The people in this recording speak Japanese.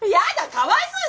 かわいそうよ